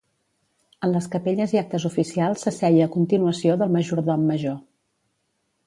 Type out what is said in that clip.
En les capelles i actes oficials s'asseia a continuació del Majordom major.